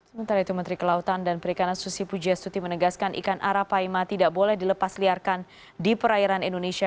sementara itu menteri kelautan dan perikanan susi pujastuti menegaskan ikan arapaima tidak boleh dilepas liarkan di perairan indonesia